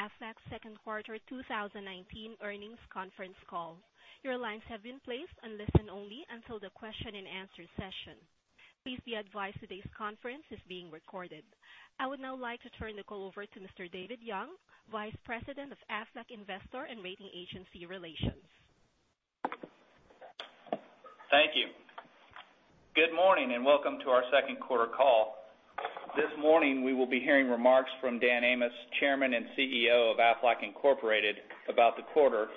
To the Aflac second quarter 2019 earnings conference call. Your lines have been placed on listen only until the question and answer session. Please be advised today's conference is being recorded. I would now like to turn the call over to Mr. David Young, Vice President of Aflac Investor and Rating Agency Relations. Thank you. Good morning and welcome to our second quarter call. This morning we will be hearing remarks from Dan Amos, Chairman and CEO of Aflac Incorporated, about the quarter,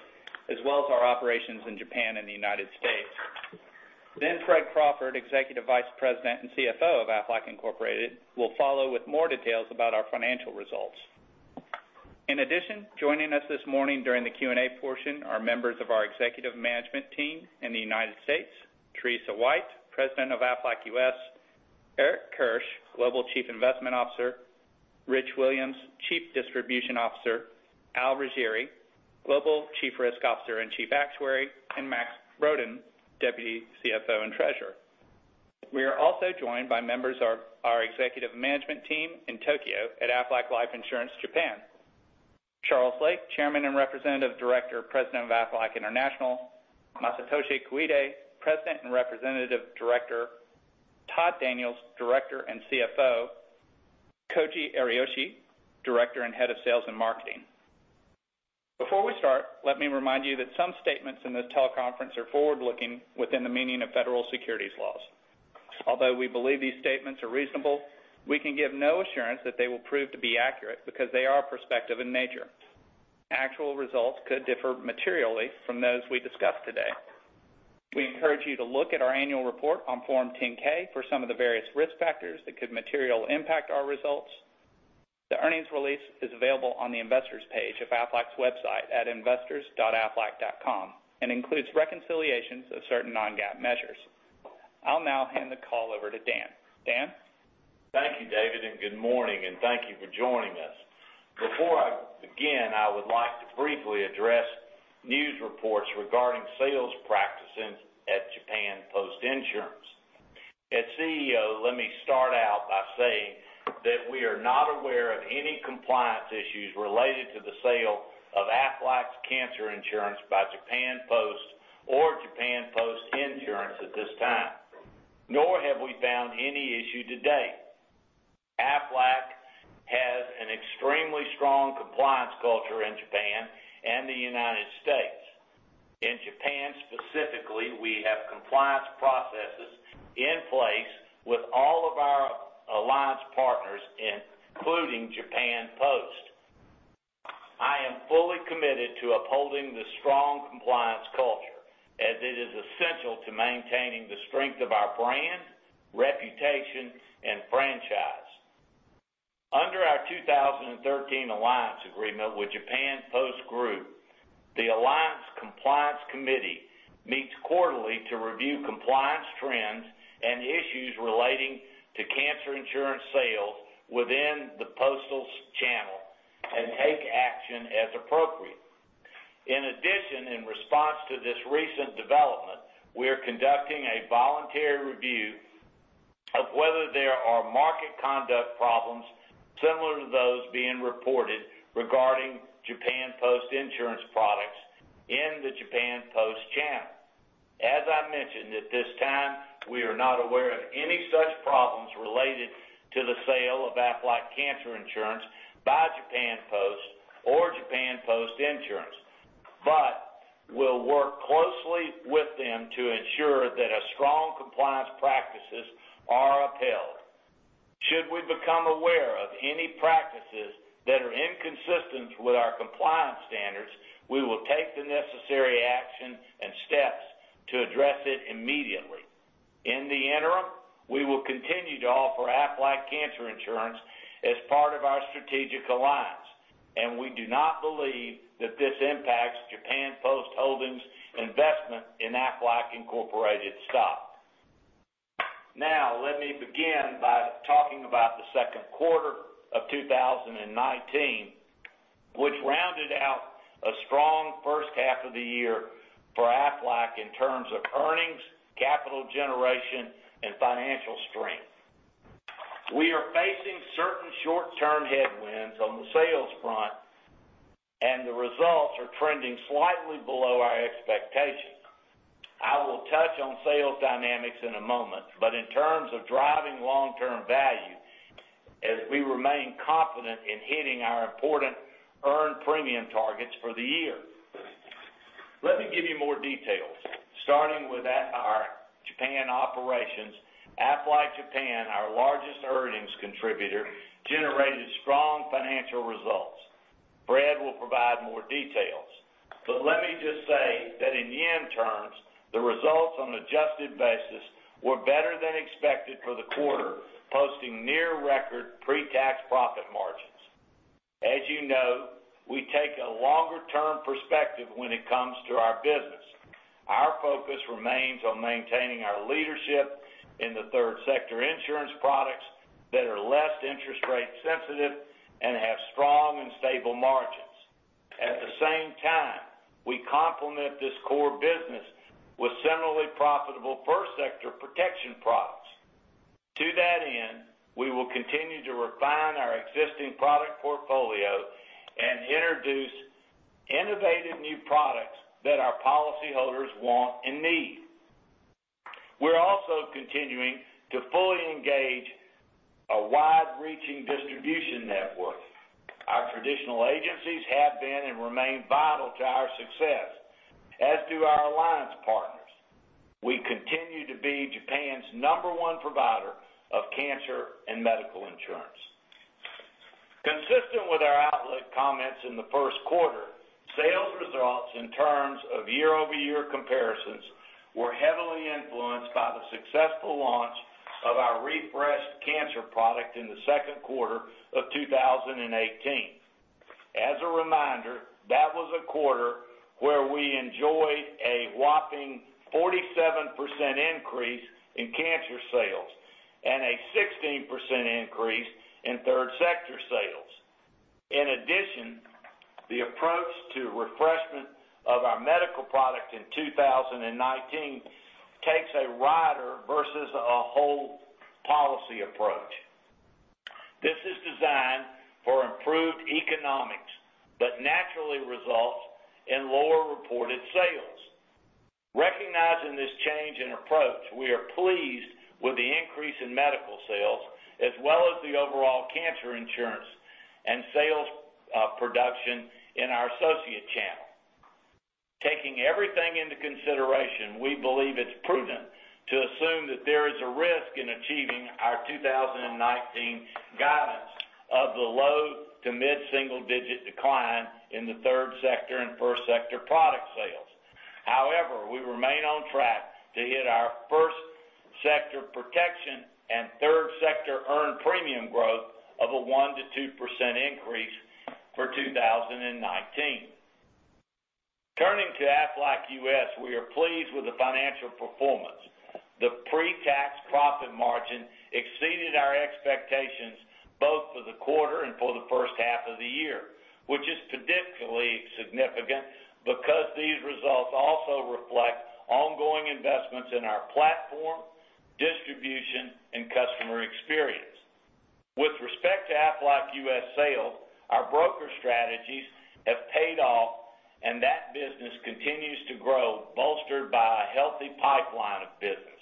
as well as our operations in Japan and the U.S. Fred Crawford, Executive Vice President and CFO of Aflac Incorporated, will follow with more details about our financial results. In addition, joining us this morning during the Q&A portion are members of our executive management team in the U.S., Teresa White, President of Aflac U.S., Eric Kirsch, Global Chief Investment Officer, Rich Williams, Chief Distribution Officer, Al Riggieri, Global Chief Risk Officer and Chief Actuary, and Max Broden, Deputy CFO and Treasurer. We are also joined by members of our executive management team in Tokyo at Aflac Life Insurance Japan. Charles Lake, Chairman and Representative Director, President of Aflac International, Masatoshi Koide, President and Representative Director, Todd Daniels, Director and CFO, Koji Ariyoshi, Director and Head of Sales and Marketing. Before we start, let me remind you that some statements in this teleconference are forward-looking within the meaning of federal securities laws. Although we believe these statements are reasonable, we can give no assurance that they will prove to be accurate because they are prospective in nature. Actual results could differ materially from those we discuss today. We encourage you to look at our annual report on Form 10-K for some of the various risk factors that could materially impact our results. The earnings release is available on the investors page of Aflac's website at investors.aflac.com and includes reconciliations of certain non-GAAP measures. I'll now hand the call over to Dan. Dan? Thank you, David, and good morning, and thank you for joining us. Before I begin, I would like to briefly address news reports regarding sales practices at Japan Post Insurance. As CEO, let me start out by saying that we are not aware of any compliance issues related to the sale of Aflac's cancer insurance by Japan Post or Japan Post Insurance at this time, nor have we found any issue to date. Aflac has an extremely strong compliance culture in Japan and the U.S. In Japan specifically, we have compliance processes in place with all of our alliance partners, including Japan Post. I am fully committed to upholding the strong compliance culture, as it is essential to maintaining the strength of our brand, reputation and franchise. Under our 2013 alliance agreement with Japan Post Group, the Alliance Compliance Committee meets quarterly to review compliance trends and issues relating to cancer insurance sales within the postal channel and take action as appropriate. In addition, in response to this recent development, we're conducting a voluntary review of whether there are market conduct problems similar to those being reported regarding Japan Post Insurance products in the Japan Post channel. As I mentioned, at this time, we are not aware of any such problems related to the sale of Aflac Cancer Insurance by Japan Post or Japan Post Insurance, but we'll work closely with them to ensure that strong compliance practices are upheld. Should we become aware of any practices that are inconsistent with our compliance standards, we will take the necessary action and steps to address it immediately. In the interim, we will continue to offer Aflac Cancer Insurance as part of our strategic alliance. We do not believe that this impacts Japan Post Holdings' investment in Aflac Incorporated stock. Let me begin by talking about the second quarter of 2019, which rounded out a strong first half of the year for Aflac in terms of earnings, capital generation, and financial strength. We are facing certain short-term headwinds on the sales front. The results are trending slightly below our expectations. I will touch on sales dynamics in a moment. In terms of driving long-term value, as we remain confident in hitting our important earned premium targets for the year. Let me give you more details. Starting with our Japan operations, Aflac Japan, our largest earnings contributor, generated strong financial results. Fred will provide more details. Let me just say that in yen terms, the results on adjusted basis were better than expected for the quarter, posting near record pre-tax profit margins. As you know, we take a longer-term perspective when it comes to our business. Our focus remains on maintaining our leadership in the third sector insurance products that are less interest rate sensitive and have strong and stable margins. At the same time, we complement this core business with similarly profitable first sector protection products. To that end, we will continue to refine our existing product portfolio and introduce innovative new products that our policy holders want and need. We're also continuing to fully engage a wide-reaching distribution network. Our traditional agencies have been and remain vital to our success, as do our alliance partners. We continue to be Japan's number one provider of cancer and medical insurance. Consistent with our outlook comments in the first quarter, sales results in terms of year-over-year comparisons were heavily influenced by the successful launch of our refreshed cancer product in the second quarter of 2018. As a reminder, that was a quarter where we enjoyed a whopping 47% increase in cancer sales and a 16% increase in third sector sales. In addition, the approach to refreshment of our medical product in 2019 takes a rider versus a whole policy approach. This is designed for improved economics, but naturally results in lower reported sales. Recognizing this change in approach, we are pleased with the increase in medical sales, as well as the overall cancer insurance and sales production in our associate channel. Taking everything into consideration, we believe it's prudent to assume that there is a risk in achieving our 2019 guidance of the low to mid single digit decline in the Third Sector and First Sector product sales. We remain on track to hit our First Sector protection and Third Sector earned premium growth of a 1%-2% increase for 2019. Turning to Aflac U.S., we are pleased with the financial performance. The pre-tax profit margin exceeded our expectations both for the quarter and for the first half of the year, which is statistically significant because these results also reflect ongoing investments in our platform, distribution, and customer experience. With respect to Aflac U.S. sales, our broker strategies have paid off. That business continues to grow, bolstered by a healthy pipeline of business.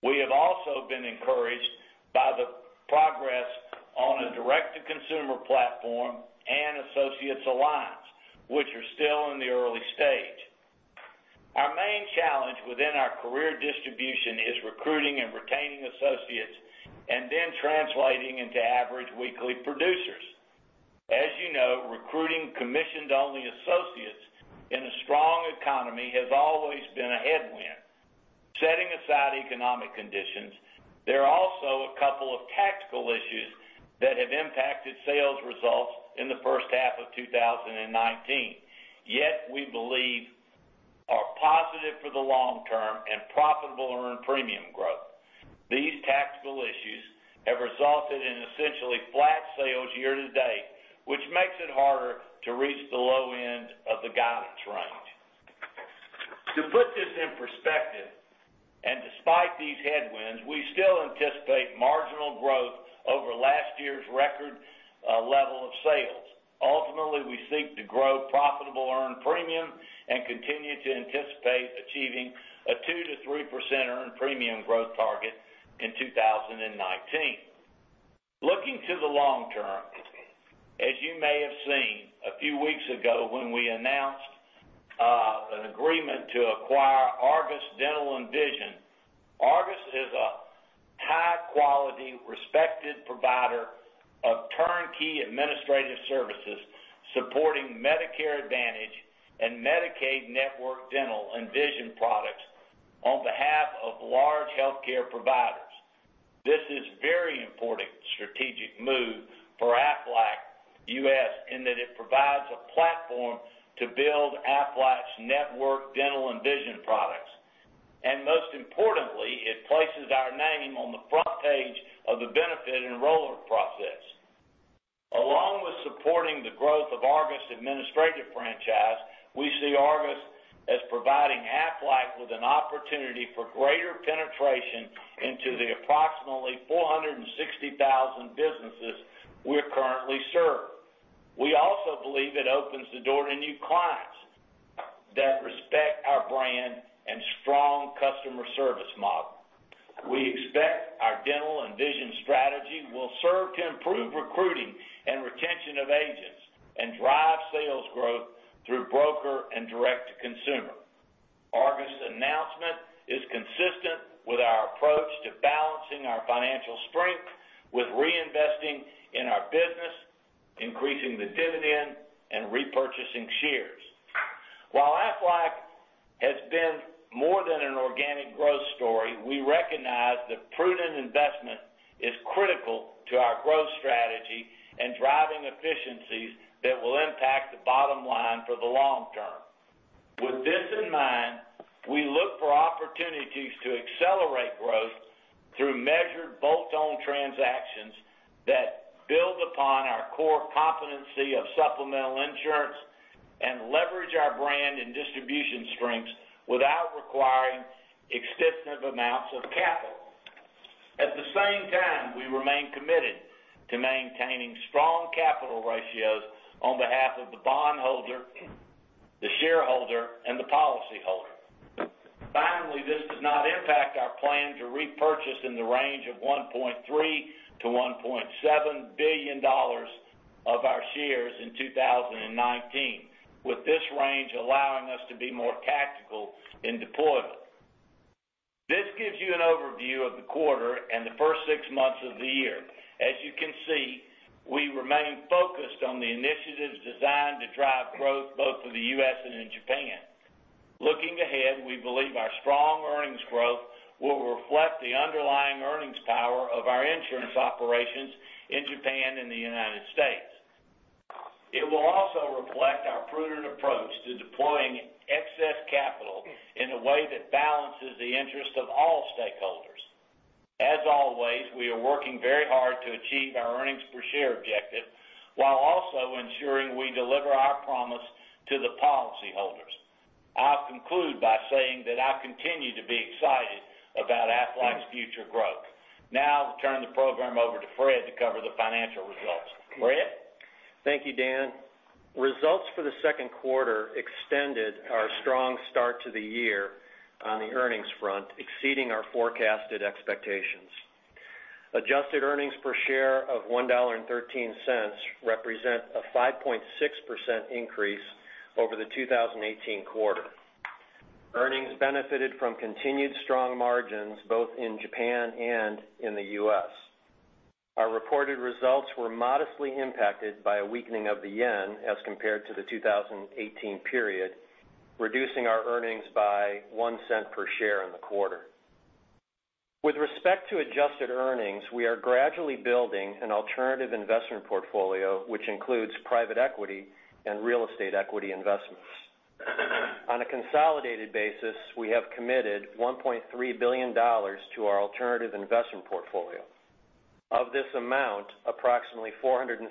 We have also been encouraged by the progress on a direct-to-consumer platform and associates alliance, which are still in the early stage. Our main challenge within our career distribution is recruiting and retaining associates, then translating into average weekly producers. As you know, recruiting commissioned-only associates in a strong economy has always been a headwind. Setting aside economic conditions, there are also a couple of tactical issues that have impacted sales results in the first half of 2019. We believe are positive for the long term and profitable earned premium growth. These tactical issues have resulted in essentially flat sales year to date, which makes it harder to reach the low end of the guidance range. To put this in perspective, despite these headwinds, we still anticipate marginal growth over last year's record level of sales. Ultimately, we seek to grow profitable earned premium and continue to anticipate achieving a 2%-3% earned premium growth target in 2019. Looking to the long term, as you may have seen a few weeks ago when we announced an agreement to acquire Argus Dental & Vision, Argus is a high-quality, respected provider of turnkey administrative services supporting Medicare Advantage and Medicaid network dental and vision products on behalf of large healthcare providers. This is very important strategic move for Aflac U.S. in that it provides a platform to build Aflac's network dental and vision products. Most importantly, it places our name on the front page of the benefit enrollment process. Along with supporting the growth of Argus administrative franchise, we see Argus as providing Aflac with an opportunity for greater penetration into the approximately 460,000 businesses we currently serve. We also believe it opens the door to new clients that respect our brand and strong customer service model. We expect our dental and vision strategy will serve to improve recruiting and retention of agents and drive sales growth through broker and direct-to-consumer. Argus announcement is consistent with our approach to balancing our financial strength with reinvesting in our business, increasing the dividend, and repurchasing shares. Aflac has been more than an organic growth story, we recognize that prudent investment is critical to our growth strategy and driving efficiencies that will impact the bottom line for the long term. With this in mind, we look for opportunities to accelerate growth through measured bolt-on transactions that build upon our core competency of supplemental insurance and leverage our brand and distribution strengths without requiring extensive amounts of capital. At the same time, we remain committed to maintaining strong capital ratios on behalf of the bondholder, the shareholder, and the policyholder. Finally, this does not impact our plan to repurchase in the range of $1.3 billion-$1.7 billion of our shares in 2019. With this range allowing us to be more tactical in deployal. This gives you an overview of the quarter and the first six months of the year. As you can see, we remain focused on the initiatives designed to drive growth both in the U.S. and in Japan. Looking ahead, we believe our strong earnings growth will reflect the underlying earnings power of our insurance operations in Japan and the United States. It will also reflect our prudent approach to deploying excess capital in a way that balances the interest of all stakeholders. As always, we are working very hard to achieve our earnings per share objective, while also ensuring we deliver our promise to the policyholders. I'll conclude by saying that I continue to be excited about Aflac's future growth. Now, I'll turn the program over to Fred to cover the financial results. Fred? Thank you, Dan. Results for the second quarter extended our strong start to the year on the earnings front, exceeding our forecasted expectations. Adjusted earnings per share of $1.13 represent a 5.6% increase over the 2018 quarter. Earnings benefited from continued strong margins both in Japan and in the U.S. Our reported results were modestly impacted by a weakening of the yen as compared to the 2018 period, reducing our earnings by $0.01 per share in the quarter. With respect to adjusted earnings, we are gradually building an alternative investment portfolio, which includes private equity and real estate equity investments. On a consolidated basis, we have committed $1.3 billion to our alternative investment portfolio. Of this amount, approximately $460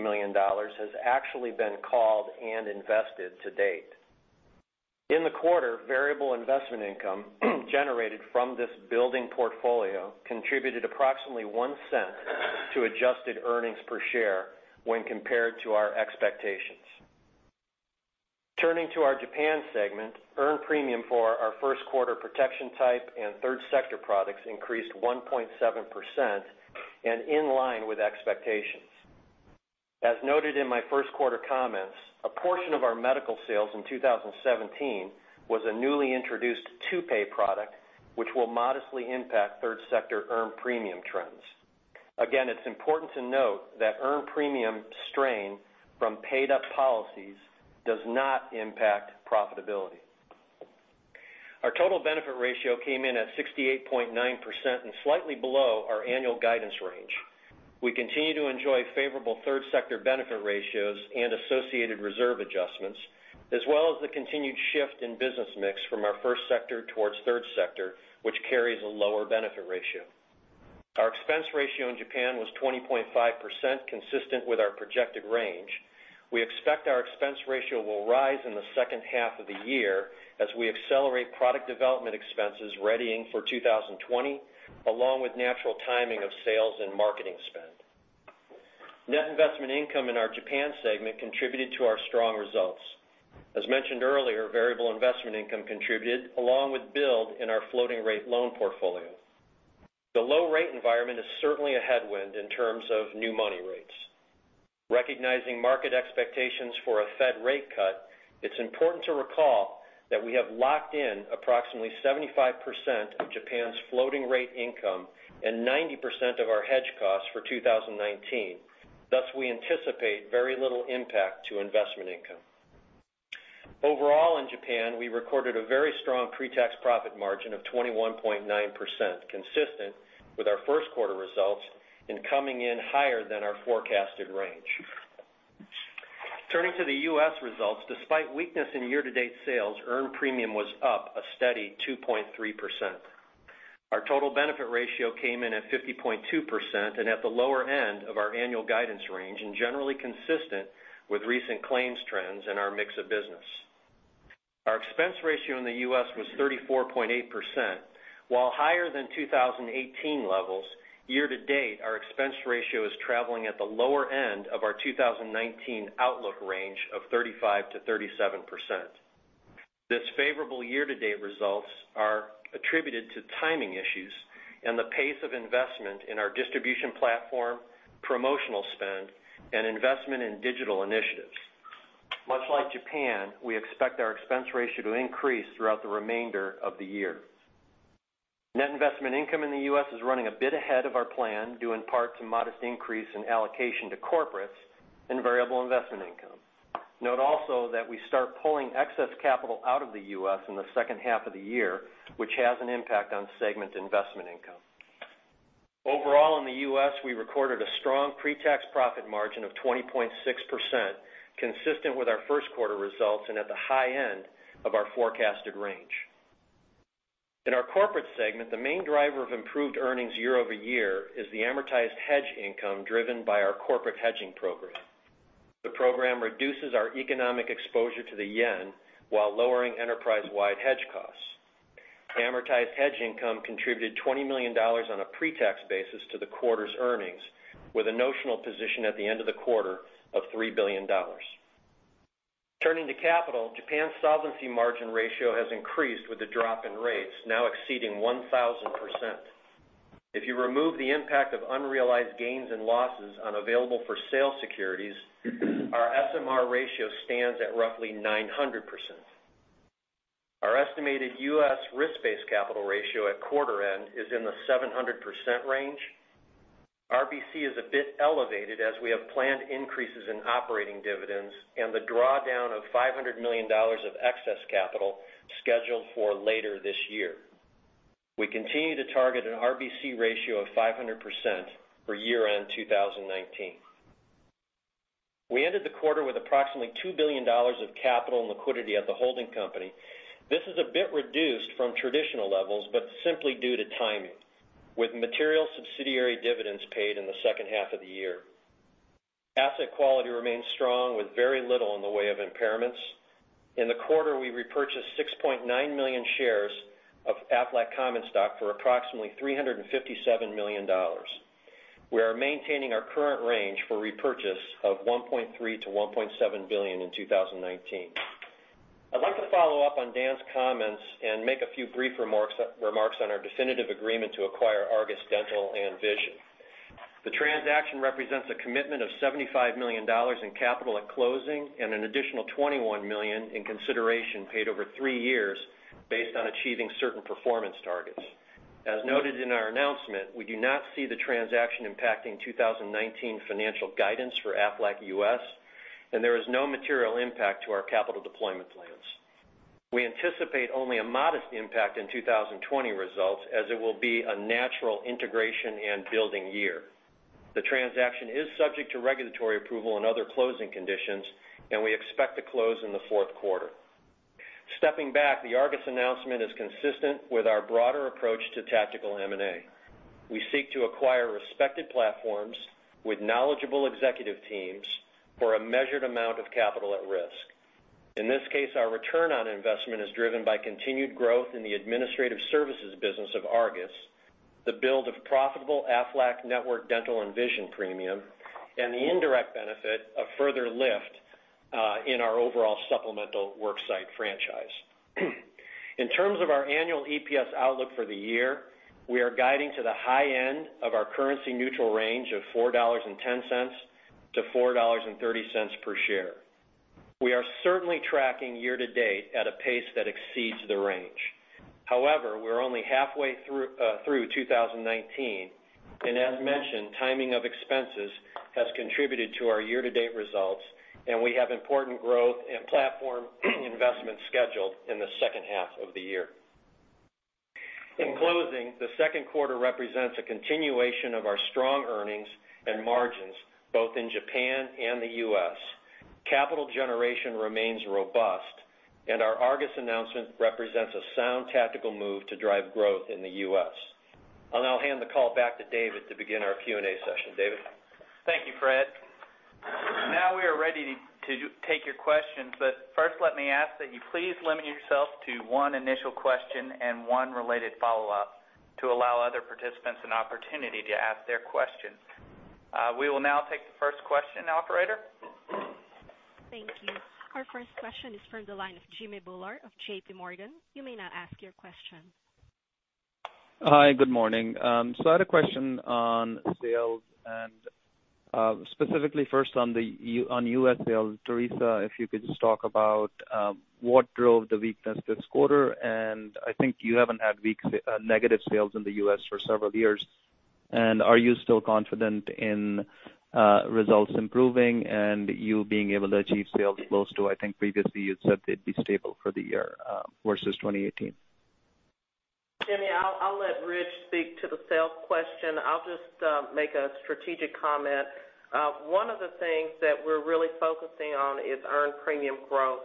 million has actually been called and invested to date. In the quarter, variable investment income generated from this building portfolio contributed approximately $0.01 to adjusted earnings per share when compared to our expectations. Turning to our Japan segment, earned premium for our first quarter protection type and third sector products increased 1.7% and in line with expectations. As noted in my first quarter comments, a portion of our medical sales in 2017 was a newly introduced two-pay product, which will modestly impact third sector earned premium trends. Again, it's important to note that earned premium strain from paid-up policies does not impact profitability. Our total benefit ratio came in at 68.9% and slightly below our annual guidance range. We continue to enjoy favorable third sector benefit ratios and associated reserve adjustments, as well as the continued shift in business mix from our first sector towards third sector, which carries a lower benefit ratio. Our expense ratio in Japan was 20.5%, consistent with our projected range. We expect our expense ratio will rise in the second half of the year as we accelerate product development expenses readying for 2020, along with natural timing of sales and marketing spend. Net investment income in our Japan segment contributed to our strong results. As mentioned earlier, variable investment income contributed, along with build in our floating rate loan portfolio. The low rate environment is certainly a headwind in terms of new money rates. Recognizing market expectations for a Fed rate cut, it's important to recall that we have locked in approximately 75% of Japan's floating rate income and 90% of our hedge costs for 2019. Thus, we anticipate very little impact to investment income. Overall, in Japan, we recorded a very strong pre-tax profit margin of 21.9%, consistent with our first quarter results, and coming in higher than our forecasted range. Turning to the U.S. results, despite weakness in year-to-date sales, earned premium was up a steady 2.3%. Our total benefit ratio came in at 50.2% and at the lower end of our annual guidance range, and generally consistent with recent claims trends and our mix of business. Our expense ratio in the U.S. was 34.8%, while higher than 2018 levels. Year to date, our expense ratio is traveling at the lower end of our 2019 outlook range of 35%-37%. These favorable year-to-date results are attributed to timing issues and the pace of investment in our distribution platform, promotional spend, and investment in digital initiatives. Much like Japan, we expect our expense ratio to increase throughout the remainder of the year. Net investment income in the U.S. is running a bit ahead of our plan, due in part to modest increase in allocation to corporates and variable investment income. Note also that we start pulling excess capital out of the U.S. in the second half of the year, which has an impact on segment investment income. Overall, in the U.S., we recorded a strong pre-tax profit margin of 20.6%, consistent with our first quarter results, and at the high end of our forecasted range. In our corporate segment, the main driver of improved earnings year-over-year is the amortized hedge income driven by our corporate hedging program. The program reduces our economic exposure to the yen while lowering enterprise-wide hedge costs. Amortized hedge income contributed $20 million on a pre-tax basis to the quarter's earnings, with a notional position at the end of the quarter of $3 billion. Turning to capital, Japan's solvency margin ratio has increased with a drop in rates, now exceeding 1,000%. If you remove the impact of unrealized gains and losses on available-for-sale securities, our SMR ratio stands at roughly 900%. Our estimated U.S. risk-based capital ratio at quarter end is in the 700% range. RBC is a bit elevated as we have planned increases in operating dividends and the drawdown of $500 million of excess capital scheduled for later this year. We continue to target an RBC ratio of 500% for year-end 2019. We ended the quarter with approximately $2 billion of capital and liquidity at the holding company. This is a bit reduced from traditional levels, but simply due to timing, with material subsidiary dividends paid in the second half of the year. Asset quality remains strong with very little in the way of impairments. In the quarter, we repurchased 6.9 million shares of Aflac common stock for approximately $357 million. We are maintaining our current range for repurchase of $1.3 billion to $1.7 billion in 2019. I'd like to follow up on Dan's comments and make a few brief remarks on our definitive agreement to acquire Argus Dental & Vision. The transaction represents a commitment of $75 million in capital at closing and an additional $21 million in consideration paid over three years based on achieving certain performance targets. As noted in our announcement, we do not see the transaction impacting 2019 financial guidance for Aflac U.S., and there is no material impact to our capital deployment plans. We anticipate only a modest impact in 2020 results, as it will be a natural integration and building year. The transaction is subject to regulatory approval and other closing conditions. We expect to close in the fourth quarter. Stepping back, the Argus announcement is consistent with our broader approach to tactical M&A. We seek to acquire respected platforms with knowledgeable executive teams for a measured amount of capital at risk. In this case, our return on investment is driven by continued growth in the administrative services business of Argus, the build of profitable Aflac network dental and vision premium, and the indirect benefit of further lift in our overall supplemental worksite franchise. In terms of our annual EPS outlook for the year, we are guiding to the high end of our currency neutral range of $4.10 per share to $4.30 per share. We are certainly tracking year to date at a pace that exceeds the range. We're only halfway through 2019, and as mentioned, timing of expenses has contributed to our year-to-date results, and we have important growth and platform investments scheduled in the second half of the year. In closing, the second quarter represents a continuation of our strong earnings and margins, both in Japan and the U.S. Capital generation remains robust, and our Argus announcement represents a sound tactical move to drive growth in the U.S. I'll now hand the call back to David to begin our Q&A session. David? Thank you, Fred. Now we are ready to take your questions. First, let me ask that you please limit yourself to one initial question and one related follow-up to allow other participants an opportunity to ask their questions. We will now take the first question, operator. Thank you. Our first question is from the line of Jimmy Bhullar of JPMorgan. You may now ask your question. Hi, good morning. I had a question on sales and specifically first on U.S. sales. Teresa, if you could just talk about what drove the weakness this quarter, I think you haven't had negative sales in the U.S. for several years. Are you still confident in results improving and you being able to achieve sales close to, I think previously you'd said they'd be stable for the year versus 2018. Jimmy, I'll let Rich speak to the sales question. I'll just make a strategic comment. One of the things that we're really focusing on is earned premium growth.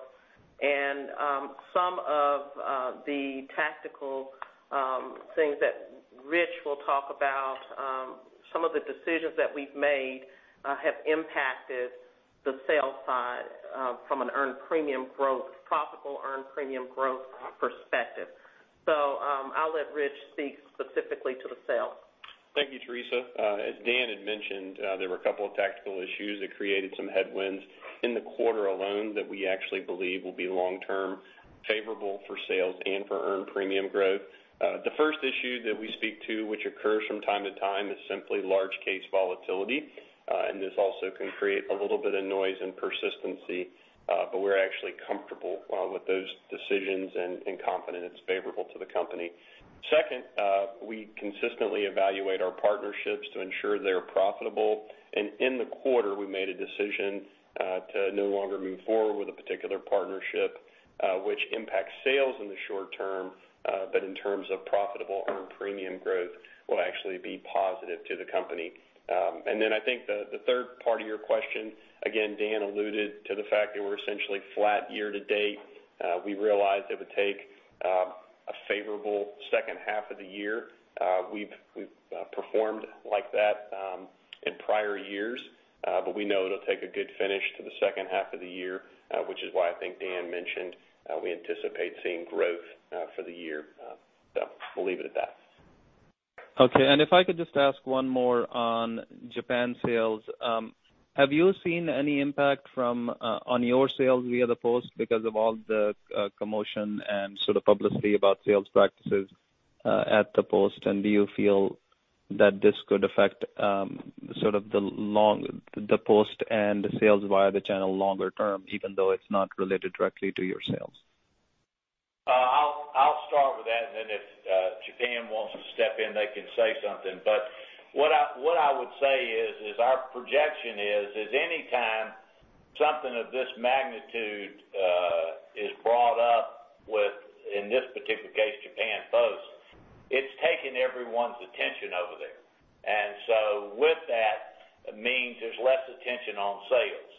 Some of the tactical things that Rich will talk about, some of the decisions that we've made have impacted the sales side from a profitable earned premium growth perspective. I'll let Rich speak specifically to the sales. Thank you, Teresa. As Dan had mentioned, there were a couple of tactical issues that created some headwinds in the quarter alone that we actually believe will be long-term favorable for sales and for earned premium growth. The first issue that we speak to, which occurs from time to time, is simply large case volatility. This also can create a little bit of noise and persistency, but we're actually comfortable with those decisions and confident it's favorable to the company. Second, we consistently evaluate our partnerships to ensure they are profitable. In the quarter, we made a decision to no longer move forward with a particular partnership, which impacts sales in the short term In terms of profitable earned premium growth will actually be positive to the company. Then I think the third part of your question, again, Dan alluded to the fact that we're essentially flat year to date. We realized it would take a favorable second half of the year. We've performed like that in prior years, but we know it'll take a good finish to the second half of the year, which is why I think Dan mentioned we anticipate seeing growth for the year. We'll leave it at that. Okay, if I could just ask one more on Japan sales. Have you seen any impact on your sales via the Post because of all the commotion and sort of publicity about sales practices at the Post, and do you feel that this could affect the Post and the sales via the channel longer term, even though it's not related directly to your sales? I'll start with that, then if Japan wants to step in, they can say something. What I would say is our projection is any time something of this magnitude is brought up with, in this particular case, Japan Post, it's taken everyone's attention over there. With that, it means there's less attention on sales.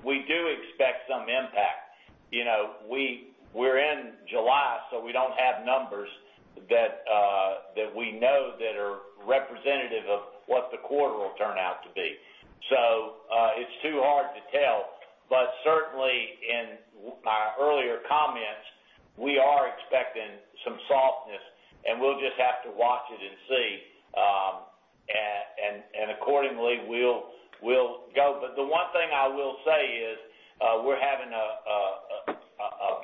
We do expect some impact. We're in July, so we don't have numbers that we know that are representative of what the quarter will turn out to be. It's too hard to tell, but certainly in my earlier comments, we are expecting some softness, and we'll just have to watch it and see. Accordingly, we'll go. The one thing I will say is we're having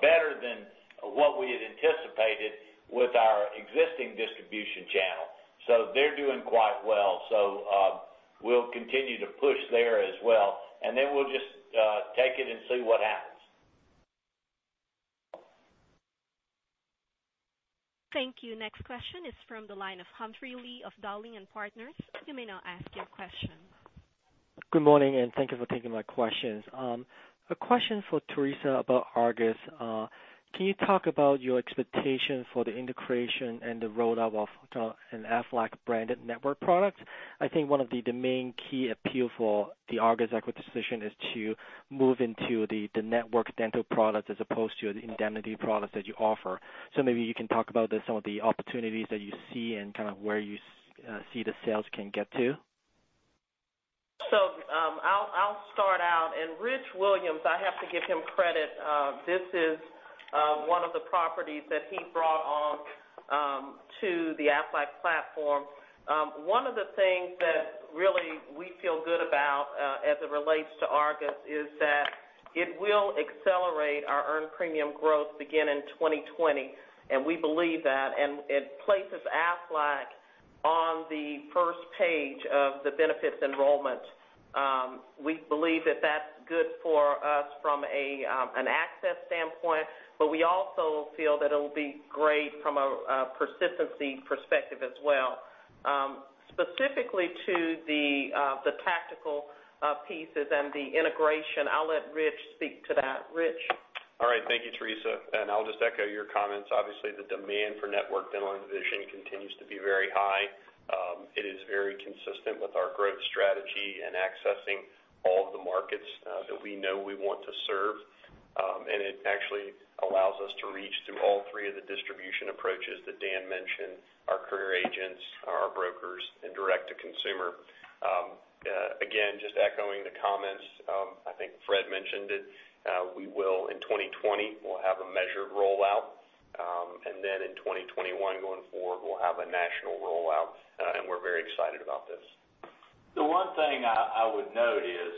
better than what we had anticipated with our existing distribution channel. They're doing quite well. We'll continue to push there as well, then we'll just take it and see what happens. Thank you. Next question is from the line of Humphrey Lee of Dowling & Partners. You may now ask your question. Good morning, and thank you for taking my questions. A question for Teresa about Argus. Can you talk about your expectation for the integration and the rollout of an Aflac branded network product? I think one of the main key appeal for the Argus acquisition is to move into the network dental products as opposed to the indemnity products that you offer. Maybe you can talk about some of the opportunities that you see and kind of where you see the sales can get to. I'll start out and Rich Williams, I have to give him credit. This is one of the properties that he brought on to the Aflac platform. One of the things that really we feel good about as it relates to Argus is that it will accelerate our earned premium growth beginning 2020, and we believe that, and it places Aflac on the first page of the benefits enrollment. We believe that that's good for us from an access standpoint, but we also feel that it'll be great from a persistency perspective as well. Specifically to the tactical pieces and the integration, I'll let Rich speak to that. Rich? All right. Thank you, Teresa, and I'll just echo your comments. Obviously, the demand for network dental and vision continues to be very high. It is very consistent with our growth strategy in accessing all of the markets that we know we want to serve. It actually allows us to reach through all three of the distribution approaches that Dan mentioned, our career agents, our brokers, and direct to consumer. Again, just echoing the comments, I think Fred mentioned it, we will in 2020, we'll have a measured rollout. In 2021 going forward, we'll have a national rollout, and we're very excited about this. The one thing I would note is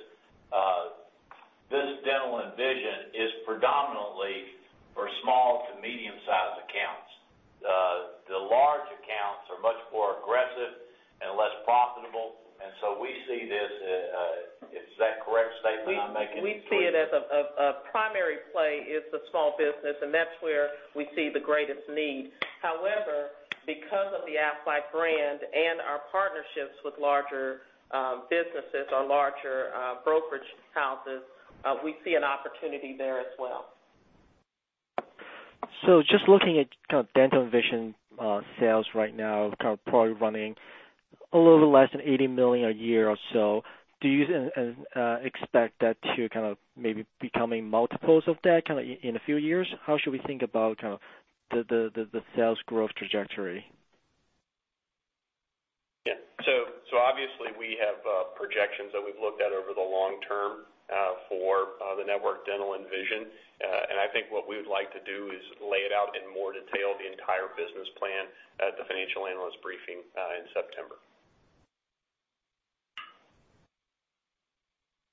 this dental and vision is predominantly for small to medium sized accounts. The large accounts are much more aggressive and less profitable, we see this as a correct statement I'm making, Teresa? We see it as a primary play is the small business, that's where we see the greatest need. However, because of the Aflac brand and our partnerships with larger businesses or larger brokerage houses, we see an opportunity there as well. Just looking at kind of dental and vision sales right now, kind of probably running a little less than $80 million a year or so. Do you expect that to kind of maybe becoming multiples of that kind of in a few years? How should we think about kind of the sales growth trajectory? Yeah. Obviously we have projections that we've looked at over the long term for the network dental and vision. I think what we would like to do is lay it out in more detail, the entire business plan at the financial analyst briefing in September.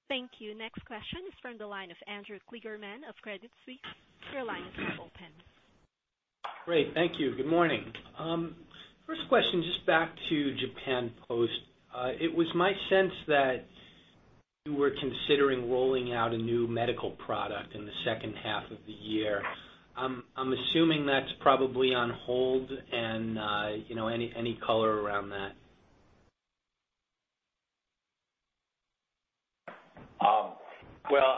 Thank you. Next question is from the line of Andrew Kligerman of Credit Suisse. Your line is open. Great. Thank you. Good morning. First question, just back to Japan Post. It was my sense that you were considering rolling out a new medical product in the second half of the year. I'm assuming that's probably on hold and any color around that? Well,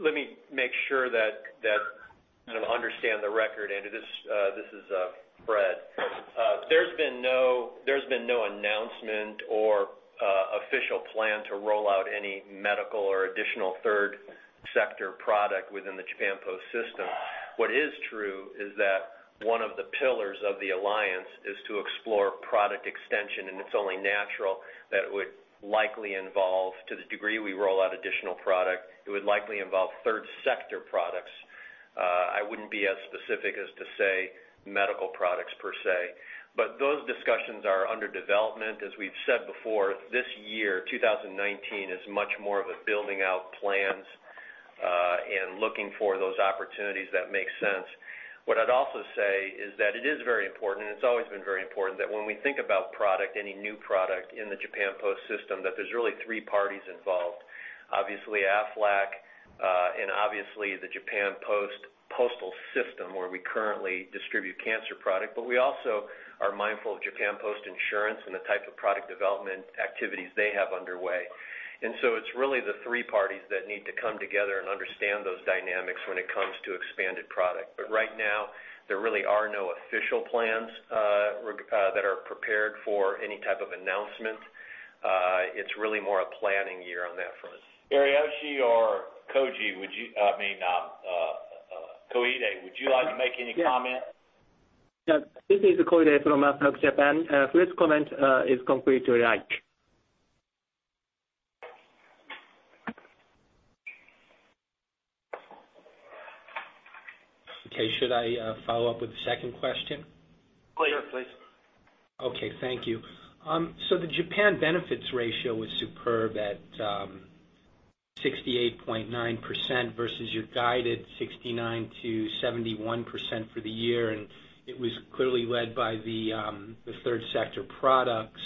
let me make sure that I understand the record, Andrew. This is Fred. There's been no announcement or official plan to roll out any medical or additional third-sector product within the Japan Post system. What is true is that one of the pillars of the alliance is to explore product extension, and it's only natural that it would likely involve, to the degree we roll out additional product, third-sector products. I wouldn't be as specific as to say medical products per se, but those discussions are under development. As we've said before, this year, 2019, is much more of a building out plans and looking for those opportunities that make sense. What I'd also say is that it is very important, and it's always been very important, that when we think about any new product in the Japan Post system, that there's really three parties involved. Obviously Aflac and obviously the Japan Post postal system, where we currently distribute cancer product, but we also are mindful of Japan Post Insurance and the type of product development activities they have underway. It's really the three parties that need to come together and understand those dynamics when it comes to expanded product. Right now, there really are no official plans that are prepared for any type of announcement. It's really more a planning year on that front. Ariyoshi or Koide, would you like to make any comment? Yes. This is Koide from Aflac Japan. Fred's comment is completely right. Okay. Should I follow up with the second question? Please. Sure. Please. Okay. Thank you. The Japan benefits ratio was superb at 68.9% versus your guided 69%-71% for the year, and it was clearly led by the third-sector products.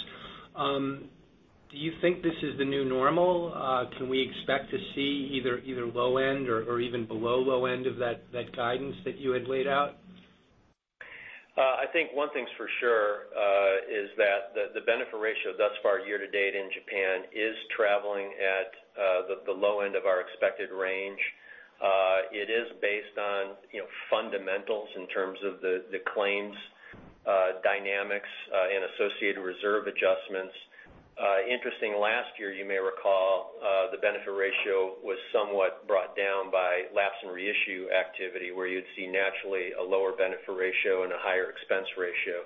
Do you think this is the new normal? Can we expect to see either low end or even below low end of that guidance that you had laid out? I think one thing's for sure is that the benefit ratio thus far year to date in Japan is traveling at the low end of our expected range. It is based on fundamentals in terms of the claims dynamics and associated reserve adjustments. Interesting, last year, you may recall, the benefit ratio was somewhat brought down by lapse and reissue activity, where you'd see naturally a lower benefit ratio and a higher expense ratio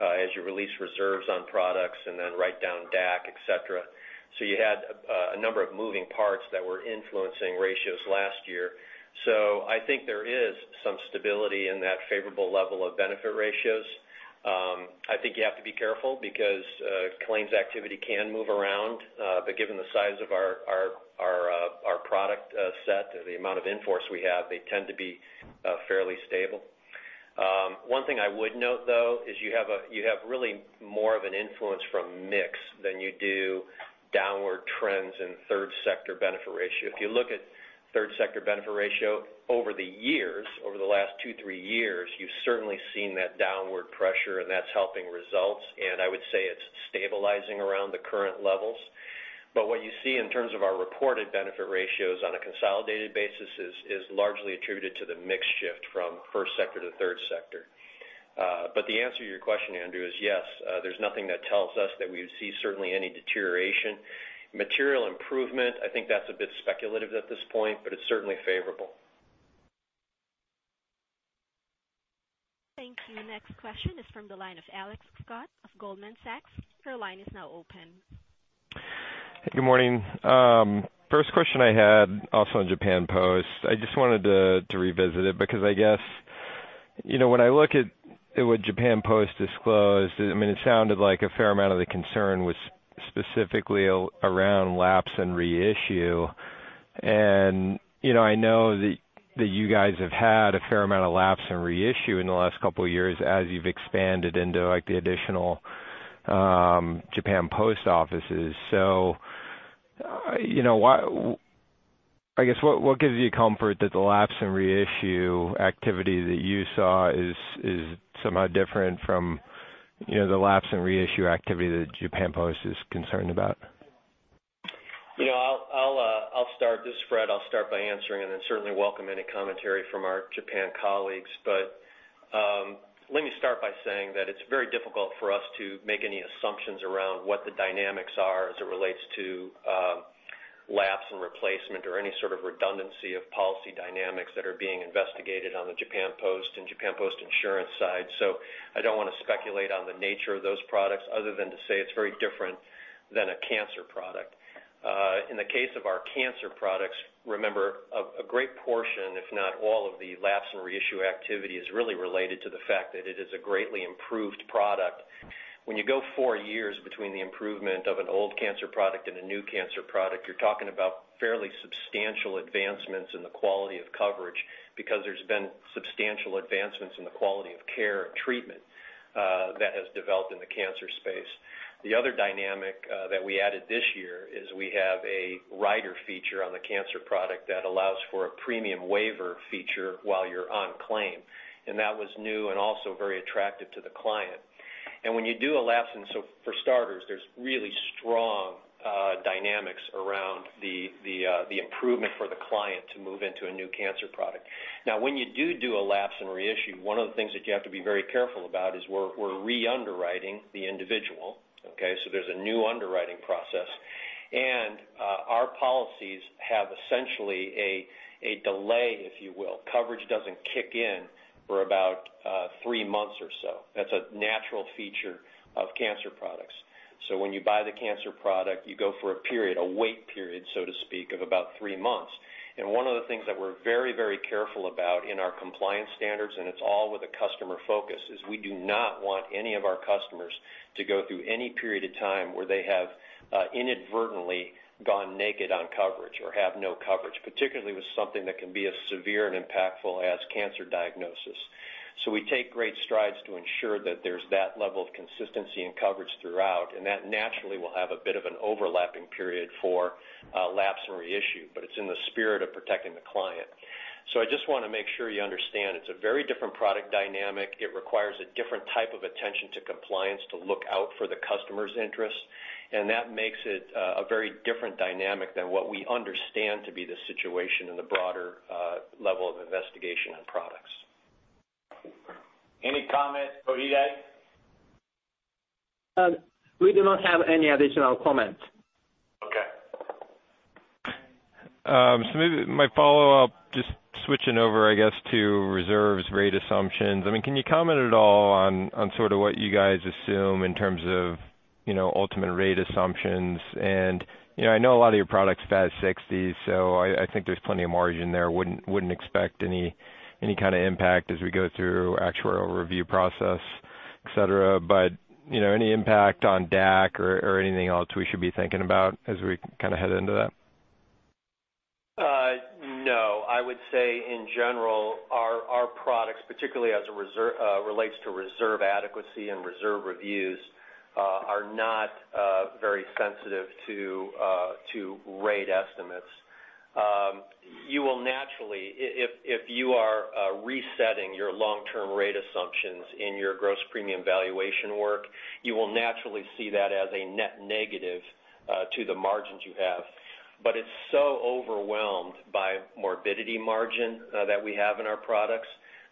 as you release reserves on products and then write down DAC, et cetera. You had a number of moving parts that were influencing ratios last year. I think there is some stability in that favorable level of benefit ratios. I think you have to be careful because claims activity can move around. Given the size of our product set and the amount of in-force we have, they tend to be fairly stable. One thing I would note, though, is you have really more of an influence from mix than you do downward trends in third-sector benefit ratio. If you look at third-sector benefit ratio over the years, over the last two, three years, you've certainly seen that downward pressure, and that's helping results, and I would say it's stabilizing around the current levels. What you see in terms of our reported benefit ratios on a consolidated basis is largely attributed to the mix shift from first sector to third sector. The answer to your question, Andrew, is yes. There's nothing that tells us that we would see certainly any deterioration. Material improvement, I think that's a bit speculative at this point, but it's certainly favorable. Thank you. Next question is from the line of Alex Scott of Goldman Sachs. Your line is now open. Good morning. First question I had, also on Japan Post. I just wanted to revisit it because I guess when I look at what Japan Post disclosed, it sounded like a fair amount of the concern was specifically around lapse and reissue. I know that you guys have had a fair amount of lapse and reissue in the last couple of years as you've expanded into the additional Japan Post offices. I guess, what gives you comfort that the lapse and reissue activity that you saw is somehow different from the lapse and reissue activity that Japan Post is concerned about? This is Fred. I'll start by answering and then certainly welcome any commentary from our Japan colleagues. Let me start by saying that it's very difficult for us to make any assumptions around what the dynamics are as it relates to lapse and replacement or any sort of redundancy of policy dynamics that are being investigated on the Japan Post and Japan Post Insurance side. I don't want to speculate on the nature of those products other than to say it's very different than a cancer product. In the case of our cancer products, remember, a great portion, if not all of the lapse and reissue activity is really related to the fact that it is a greatly improved product. When you go four years between the improvement of an old cancer product and a new cancer product, you're talking about fairly substantial advancements in the quality of coverage because there's been substantial advancements in the quality of care and treatment that has developed in the cancer space. The other dynamic that we added this year is we have a rider feature on the cancer product that allows for a premium waiver feature while you're on claim, that was new and also very attractive to the client. When you do a lapse, for starters, there's really strong dynamics around the improvement for the client to move into a new cancer product. Now, when you do a lapse and reissue, one of the things that you have to be very careful about is we're re-underwriting the individual. Okay, there's a new underwriting process, our policies have essentially a delay, if you will. Coverage doesn't kick in for about three months or so. That's a natural feature of cancer products. When you buy the cancer product, you go for a period, a wait period, so to speak, of about three months. One of the things that we're very careful about in our compliance standards, and it's all with a customer focus, is we do not want any of our customers to go through any period of time where they have inadvertently gone naked on coverage or have no coverage, particularly with something that can be as severe and impactful as cancer diagnosis. We take great strides to ensure that there's that level of consistency and coverage throughout, and that naturally will have a bit of an overlapping period for lapse and reissue, but it's in the spirit of protecting the client. I just want to make sure you understand it's a very different product dynamic. It requires a different type of attention to compliance to look out for the customers' interests, and that makes it a very different dynamic than what we understand to be the situation in the broader level of investigation on products. Any comment, Koide? We do not have any additional comments. Okay. Maybe my follow-up, just switching over, I guess, to reserves rate assumptions. Can you comment at all on sort of what you guys assume in terms of ultimate rate assumptions? I know a lot of your products fat 60, so I think there's plenty of margin there. Wouldn't expect any kind of impact as we go through actuarial review process, et cetera, but any impact on DAC or anything else we should be thinking about as we kind of head into that? I would say in general, our products, particularly as it relates to reserve adequacy and reserve reviews, are not very sensitive to rate estimates. You will naturally, if you are resetting your long-term rate assumptions in your Gross Premium Valuation work, you will naturally see that as a net negative to the margins you have. It's so overwhelmed by morbidity margin that we have in our products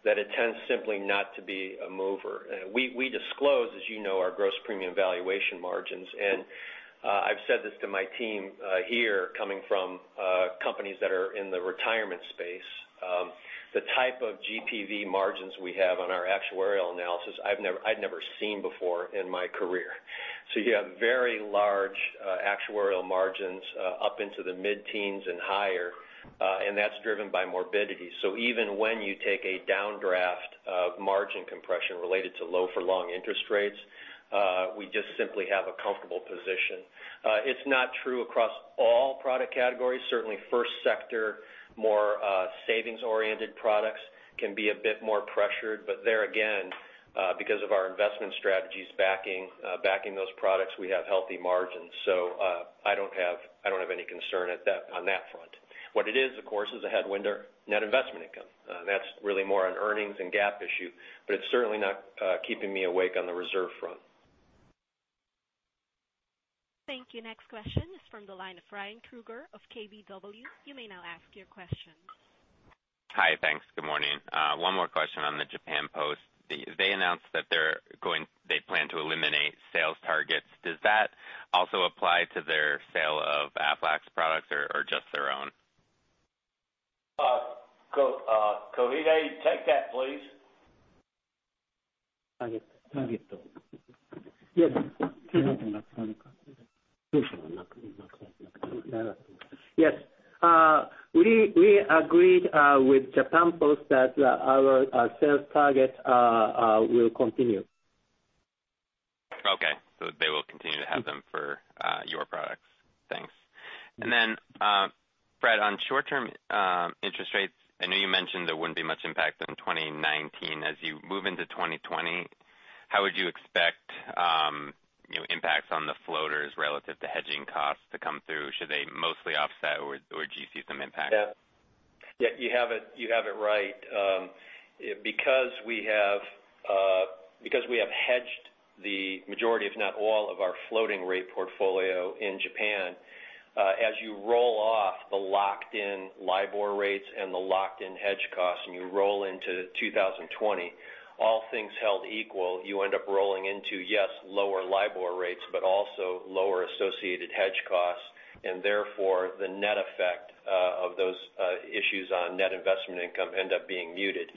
that it tends simply not to be a mover. We disclose, as you know, our Gross Premium Valuation margins, and I've said this to my team here, coming from companies that are in the retirement space, the type of GPV margins we have on our actuarial analysis I'd never seen before in my career. You have very large actuarial margins up into the mid-teens and higher, and that's driven by morbidity. Even when you take a downdraft of margin compression related to low for long interest rates, we just simply have a comfortable position. It's not true across all product categories. Certainly first sector, more savings-oriented products can be a bit more pressured, there again, because of our investment strategies backing those products, we have healthy margins. I don't have any concern on that front. What it is, of course, is a headwind net investment income. That's really more an earnings and GAAP issue, it's certainly not keeping me awake on the reserve front. Thank you. Next question is from the line of Ryan Krueger of KBW. You may now ask your question. Hi, thanks. Good morning. One more question on the Japan Post. They announced that they plan to eliminate sales targets. Does that also apply to their sale of Aflac's products or just their own? Koide, take that, please. Yes. We agreed with Japan Post that our sales target will continue. They will continue to have them for your products. Thanks. Fred, on short-term interest rates, I know you mentioned there wouldn't be much impact in 2019. As you move into 2020, how would you expect impacts on the floaters relative to hedging costs to come through? Should they mostly offset, or do you see some impact? You have it right. We have hedged the majority, if not all of our floating rate portfolio in Japan, as you roll off the locked-in LIBOR rates and the locked-in hedge costs, and you roll into 2020, all things held equal, you end up rolling into, yes, lower LIBOR rates, but also lower associated hedge costs, and therefore the net effect of those issues on net investment income end up being muted.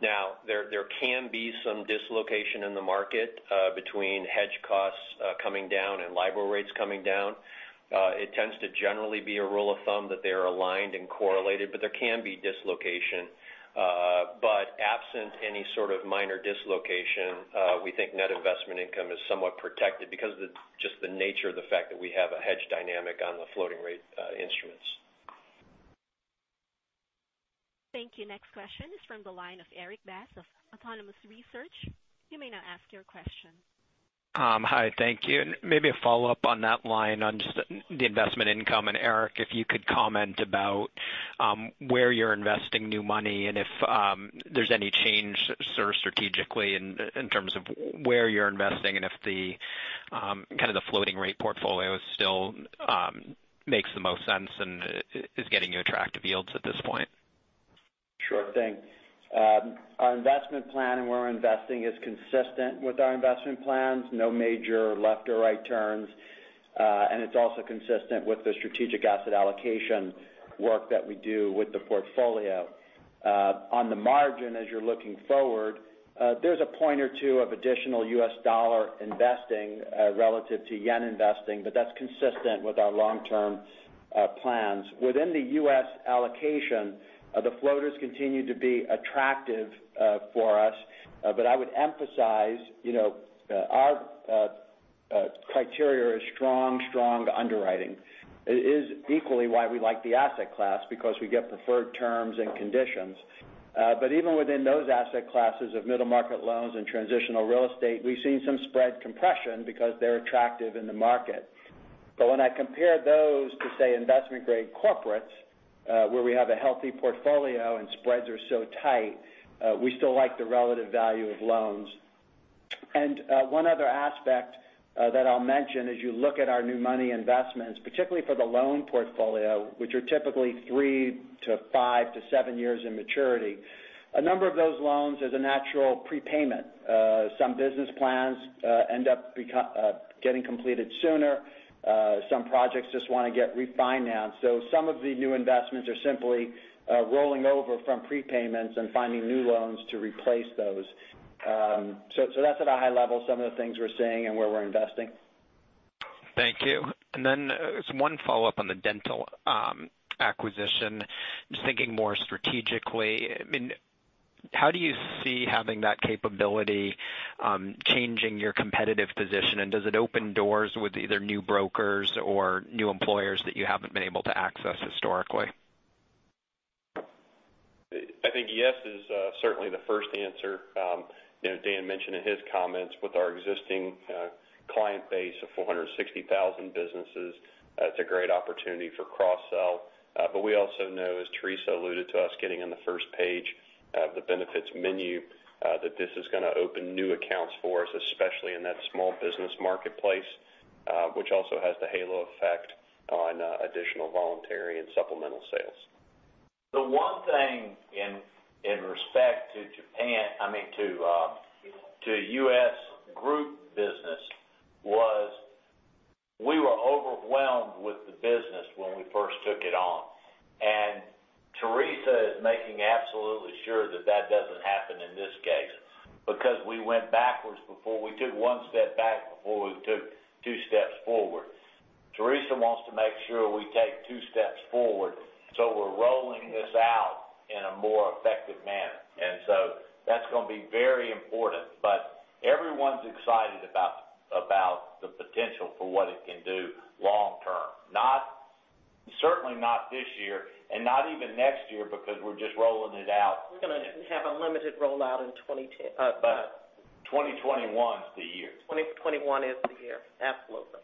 There can be some dislocation in the market between hedge costs coming down and LIBOR rates coming down. It tends to generally be a rule of thumb that they're aligned and correlated, but there can be dislocation. Absent any sort of minor dislocation, we think net investment income is somewhat protected because of just the nature of the fact that we have a hedge dynamic on the floating rate instruments. Thank you. Next question is from the line of Erik Bass of Autonomous Research. You may now ask your question. Hi, thank you. Maybe a follow-up on that line on just the investment income. Eric, if you could comment about where you're investing new money and if there's any change sort of strategically in terms of where you're investing and if the Kind of the floating rate portfolio still makes the most sense and is getting you attractive yields at this point? Sure thing. Our investment plan and where we're investing is consistent with our investment plans. No major left or right turns. It's also consistent with the strategic asset allocation work that we do with the portfolio. On the margin, as you're looking forward, there's a point or two of additional U.S. dollar investing relative to JPY investing, but that's consistent with our long-term plans. Within the U.S. allocation, the floaters continue to be attractive for us. I would emphasize, our criteria is strong underwriting. It is equally why we like the asset class, because we get preferred terms and conditions. Even within those asset classes of middle market loans and transitional real estate, we've seen some spread compression because they're attractive in the market. When I compare those to, say, investment grade corporates, where we have a healthy portfolio and spreads are so tight, we still like the relative value of loans. One other aspect that I'll mention, as you look at our new money investments, particularly for the loan portfolio, which are typically three to five to seven years in maturity, a number of those loans, there's a natural prepayment. Some business plans end up getting completed sooner. Some projects just want to get refinanced. Some of the new investments are simply rolling over from prepayments and finding new loans to replace those. That's at a high level some of the things we're seeing and where we're investing. Thank you. Then, just one follow-up on the dental acquisition. Just thinking more strategically, how do you see having that capability changing your competitive position? Does it open doors with either new brokers or new employers that you haven't been able to access historically? I think yes is certainly the first answer. Dan mentioned in his comments with our existing client base of 460,000 businesses, it's a great opportunity for cross-sell. We also know, as Teresa alluded to us getting on the first page of the benefits menu, that this is going to open new accounts for us, especially in that small business marketplace, which also has the halo effect on additional voluntary and supplemental sales. The one thing in respect to U.S. Group business was we were overwhelmed with the business when we first took it on. Teresa is making absolutely sure that that doesn't happen in this case, because we took one step back before we took two steps forward. Teresa wants to make sure we take two steps forward, we're rolling this out in a more effective manner. That's going to be very important. Everyone's excited about the potential for what it can do long term. Certainly not this year, not even next year, because we're just rolling it out. We're going to have a limited rollout in 2022. 2021's the year. 2021 is the year, absolutely.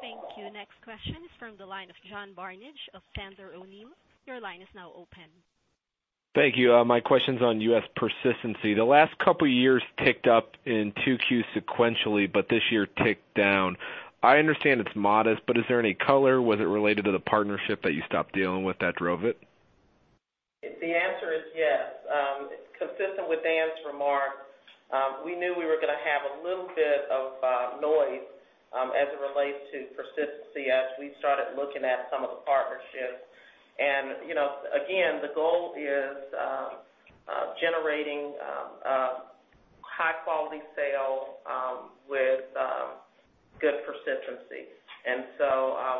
Thank you. Next question is from the line of John Barnidge of Sandler O'Neill. Your line is now open. Thank you. My question's on U.S. persistency. The last couple of years ticked up in 2Q sequentially, but this year ticked down. I understand it's modest, but is there any color? Was it related to the partnership that you stopped dealing with that drove it? The answer is yes. It's consistent with Dan's remarks. We knew we were going to have a little bit of noise as it relates to persistency as we started looking at some of the partnerships. Again, the goal is generating high quality sale with good persistency.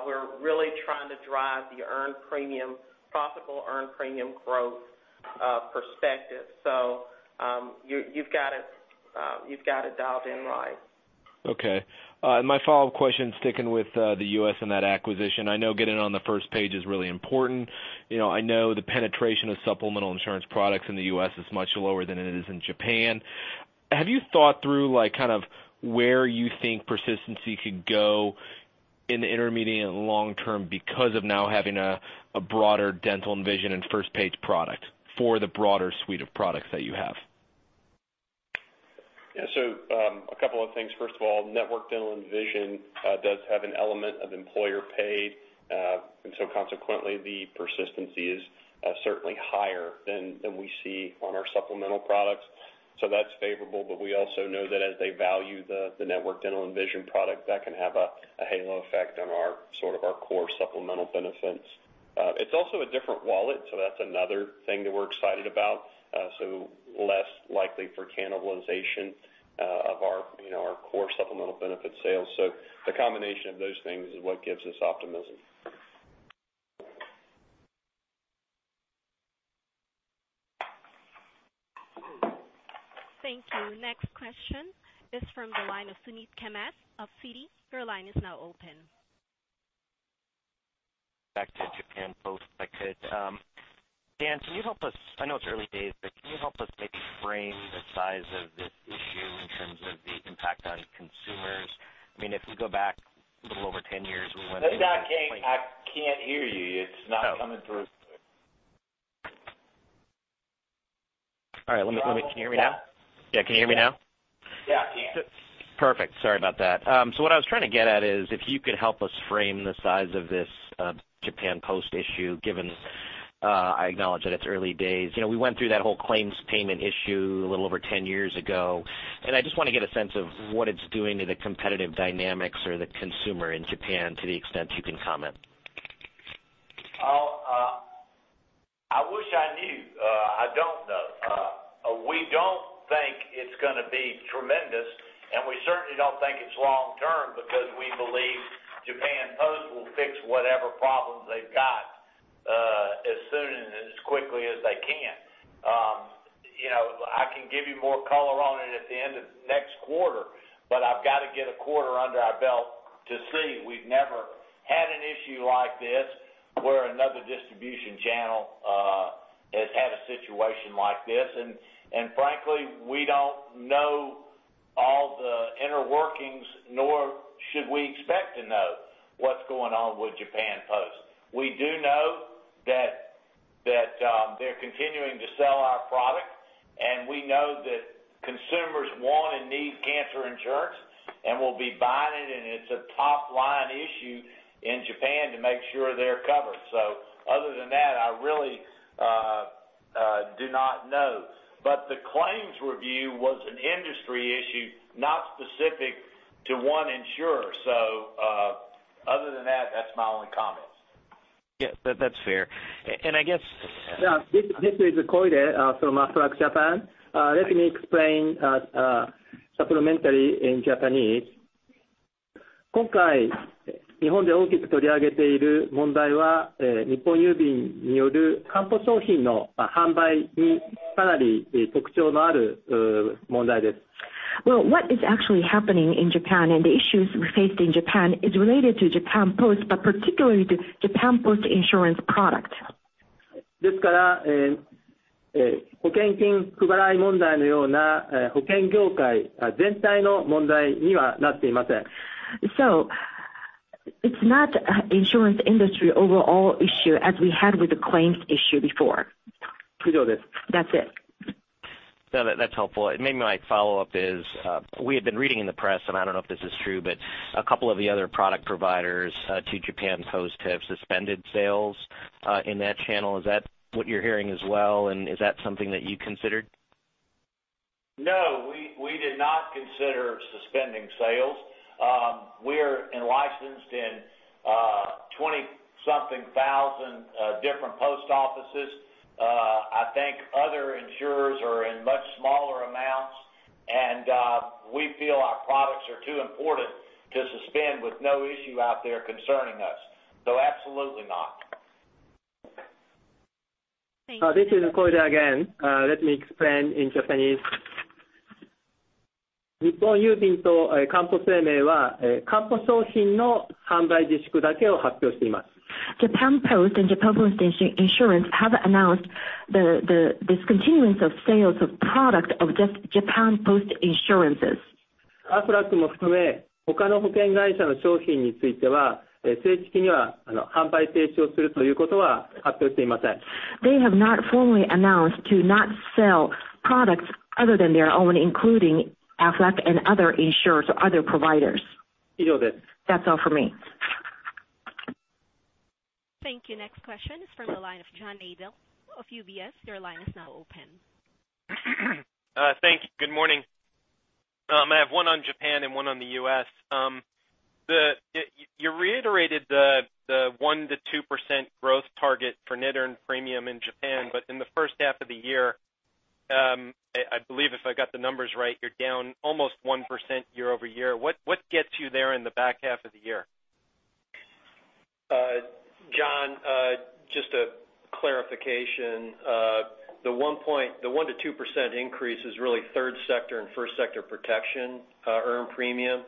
We're really trying to drive the profitable earned premium growth perspective. You've got it dialed in right. Okay. My follow-up question, sticking with the U.S. and that acquisition, I know getting on the Argus is really important. I know the penetration of supplemental insurance products in the U.S. is much lower than it is in Japan. Have you thought through where you think persistency could go in the intermediate and long term because of now having a broader dental and vision and Argus product for the broader suite of products that you have? Yeah. A couple of things. First of all, network dental and vision does have an element of employer paid. Consequently, the persistency is certainly higher than we see on our supplemental products. That's favorable. We also know that as they value the network dental and vision product, that can have a halo effect on our core supplemental benefits. It's also a different wallet, so that's another thing that we're excited about. Less likely for cannibalization of our core supplemental benefit sales. The combination of those things is what gives us optimism. Thank you. Next question is from the line of Suneet Kamath of Citi. Your line is now open. Back to Japan, both, if I could. Dan, I know it's early days, but can you help us maybe frame the size of this issue in terms of the impact on consumers? If we go back a little over 10 years. Suneet, I can't hear you. It's not coming through. All right. Can you hear me now? Yeah, can you hear me now? Yeah, I can. Perfect. Sorry about that. What I was trying to get at is, if you could help us frame the size of this Japan Post issue, given I acknowledge that it's early days. We went through that whole claims payment issue a little over 10 years ago, and I just want to get a sense of what it's doing to the competitive dynamics or the consumer in Japan, to the extent you can comment. I wish I knew. I don't know. We don't think it's going to be tremendous, and we certainly don't think it's long term because we believe Japan Post will fix whatever problems they've got, as soon and as quickly as they can. I can give you more color on it at the end of next quarter, but I've got to get a quarter under our belt to see. We've never had an issue like this where another distribution channel has had a situation like this, and frankly, we don't know all the inner workings, nor should we expect to know what's going on with Japan Post. We do know that they're continuing to sell our product, and we know that consumers want and need cancer insurance and will be buying it, and it's a top-line issue in Japan to make sure they're covered. Other than that, I really do not know. The claims review was an industry issue, not specific to one insurer. Other than that's my only comment. Yeah. That's fair. Yeah, this is Koide from Aflac Japan. Let me explain, supplementary in Japanese. Well, what is actually happening in Japan, the issues we faced in Japan is related to Japan Post, particularly to Japan Post Insurance product. It's not insurance industry overall issue as we had with the claims issue before. That's it. No, that's helpful. Maybe my follow-up is, we have been reading in the press, and I don't know if this is true, but a couple of the other product providers, to Japan Post have suspended sales in that channel. Is that what you're hearing as well, and is that something that you considered? No, we did not consider suspending sales. We're licensed in 20 something thousand different post offices. I think other insurers are in much smaller amounts, and we feel our products are too important to suspend with no issue out there concerning us. Absolutely not. Thank you. This is Koide again. Let me explain in Japanese. Japan Post and Japan Post Insurance have announced the discontinuance of sales of product of just Japan Post Insurance. They have not formally announced to not sell products other than their own, including Aflac and other insurers or other providers. That's all for me. Thank you. Next question is from the line of Nikolas Adell of UBS. Your line is now open. Thank you. Good morning. I have one on Japan and one on the U.S. You reiterated the 1%-2% growth target for net earned premium in Japan, but in the first half of the year, I believe if I got the numbers right, you're down almost 1% year-over-year. What gets you there in the back half of the year? John, just a clarification. The 1%-2% increase is really third sector and first sector protection, earned premium.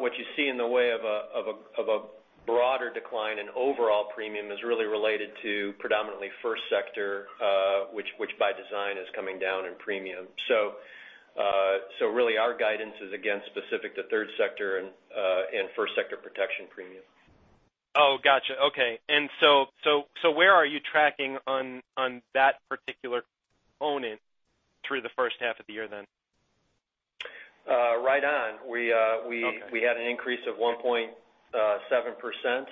What you see in the way of a broader decline in overall premium is really related to predominantly first sector, which by design is coming down in premium. Really our guidance is again specific to third sector and first sector protection premium. Oh, got you. Okay. Where are you tracking on that particular component through the first half of the year, then? Right on. Okay. We had an increase of 1.7%,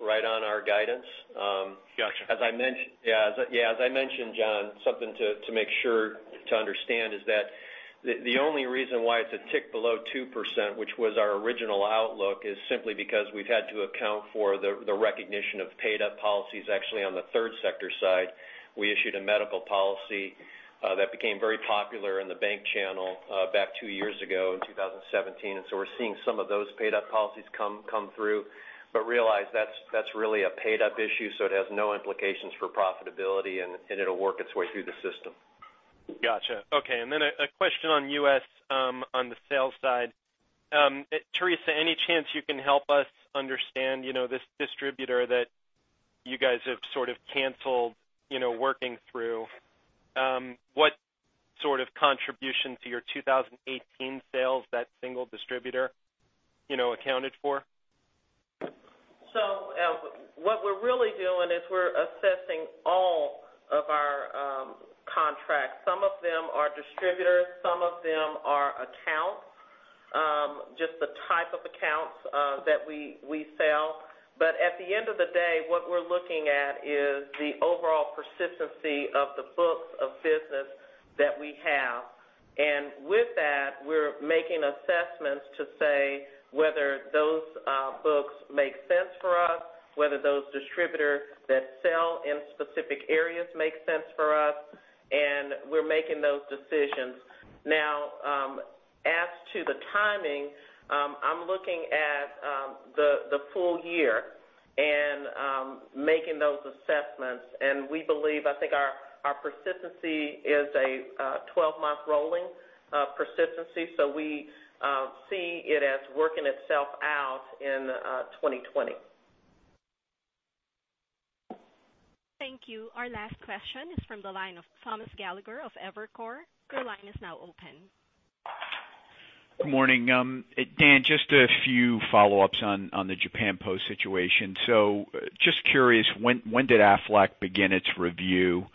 right on our guidance. Got you. As I mentioned, John, something to make sure to understand is that the only reason why it's a tick below 2%, which was our original outlook, is simply because we've had to account for the recognition of paid-up policies. Actually, on the third sector side, we issued a medical policy that became very popular in the bank channel back two years ago in 2017. We're seeing some of those paid-up policies come through, realize that's really a paid-up issue, so it has no implications for profitability, and it'll work its way through the system. Got you. Okay. A question on U.S., on the sales side. Teresa, any chance you can help us understand this distributor that you guys have sort of canceled working through? Sort of contribution to your 2018 sales, that single distributor accounted for? What we're really doing is we're assessing all of our contracts. Some of them are distributors, some of them are accounts, just the type of accounts that we sell. At the end of the day, what we're looking at is the overall persistency of the books of business that we have. With that, we're making assessments to say whether those books make sense for us, whether those distributors that sell in specific areas make sense for us, and we're making those decisions. As to the timing, I'm looking at the full year and making those assessments, and we believe, I think our persistency is a 12-month rolling persistency. We see it as working itself out in 2020. Thank you. Our last question is from the line of Thomas Gallagher of Evercore. Your line is now open. Good morning. Dan, just a few follow-ups on the Japan Post situation. Just curious, when did Aflac begin its review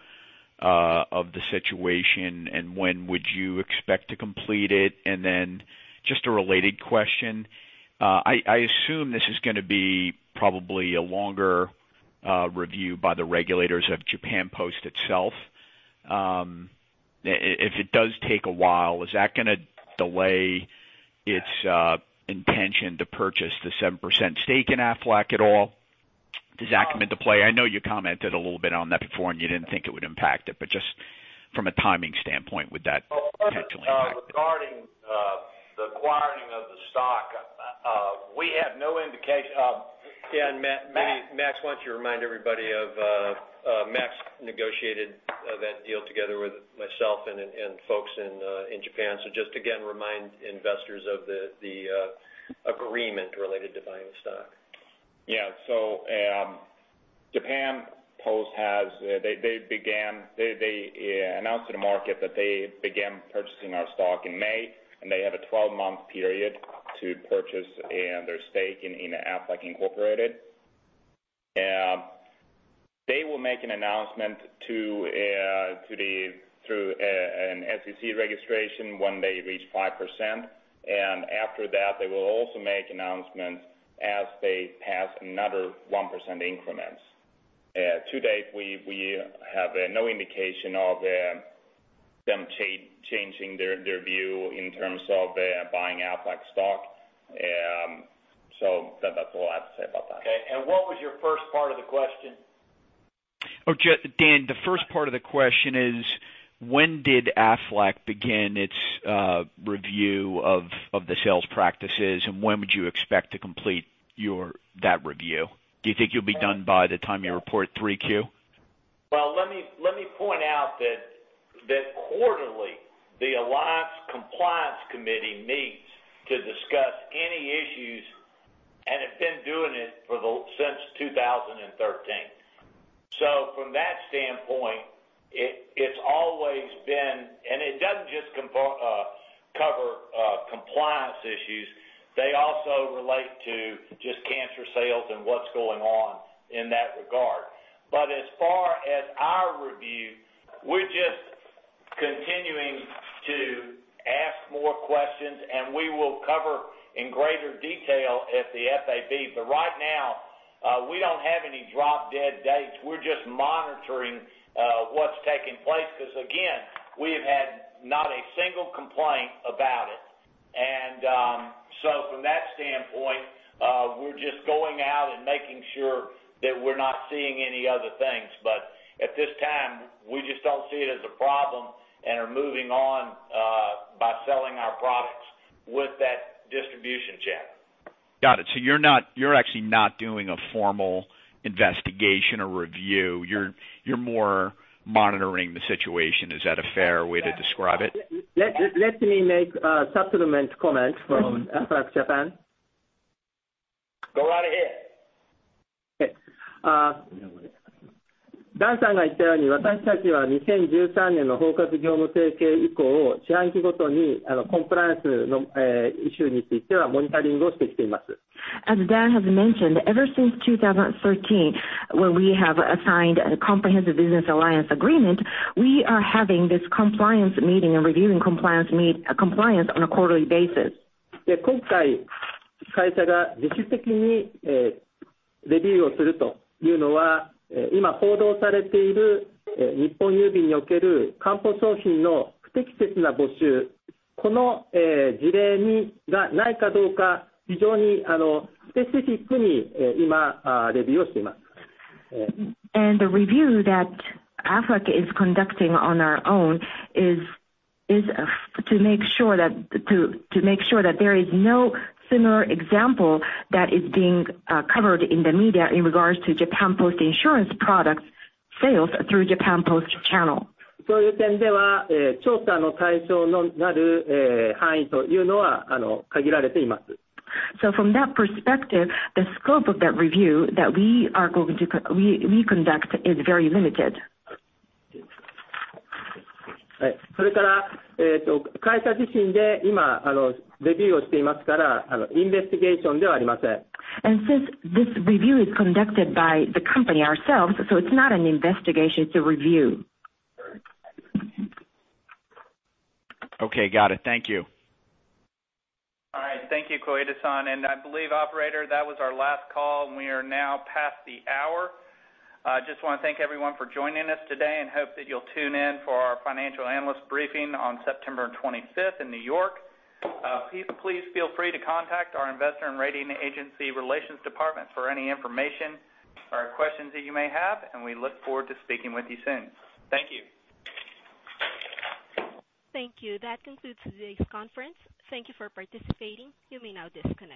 of the situation, and when would you expect to complete it? Then just a related question. I assume this is going to be probably a longer review by the regulators of Japan Post itself. If it does take a while, is that going to delay its intention to purchase the 7% stake in Aflac at all? Does that come into play? I know you commented a little bit on that before, and you didn't think it would impact it, but just from a timing standpoint, would that potentially impact it? Regarding the acquiring of the stock, we have no indication. Yeah. Max, why don't you remind everybody of, Max negotiated that deal together with myself and folks in Japan. Just again, remind investors of the agreement related to buying stock. Yeah. Japan Post, they announced to the market that they began purchasing our stock in May, and they have a 12-month period to purchase their stake in Aflac Incorporated. They will make an announcement through an SEC registration when they reach 5%, and after that, they will also make announcements as they pass another 1% increments. To date, we have no indication of them changing their view in terms of buying Aflac stock. That's all I have to say about that. Okay. What was your first part of the question? Dan, the first part of the question is, when did Aflac begin its review of the sales practices, and when would you expect to complete that review? Do you think you'll be done by the time you report 3Q? Let me point out that quarterly, the Alliance Compliance Committee meets to discuss any issues and have been doing it since 2013. From that standpoint, it's always been, it doesn't just cover compliance issues. They also relate to just cancer sales and what's going on in that regard. As far as our review, we're just continuing to ask more questions, and we will cover in greater detail at the FAB. Right now, we don't have any drop-dead dates. We're just monitoring what's taking place because, again, we have had not a single complaint about it. From that standpoint, we're just going out and making sure that we're not seeing any other things. At this time, we just don't see it as a problem and are moving on by selling our products with that distribution channel. Got it. You're actually not doing a formal investigation or review. You're more monitoring the situation. Is that a fair way to describe it? Let me make a supplement comment from Aflac Japan. Go right ahead. Okay. As Dan has mentioned, ever since 2013, when we have assigned a comprehensive business alliance agreement, we are having this compliance meeting and reviewing compliance on a quarterly basis. The review that Aflac is conducting on our own is to make sure that there is no similar example that is being covered in the media in regards to Japan Post Insurance products sales through Japan Post channel. From that perspective, the scope of that review that we conduct is very limited. Since this review is conducted by the company ourselves, so it's not an investigation, it's a review. Okay. Got it. Thank you. All right. Thank you, Koide-san. I believe, operator, that was our last call, and we are now past the hour. I just want to thank everyone for joining us today and hope that you'll tune in for our financial analyst briefing on September 25th in New York. Please feel free to contact our investor and rating agency relations department for any information or questions that you may have, and we look forward to speaking with you soon. Thank you. Thank you. That concludes today's conference. Thank you for participating. You may now disconnect.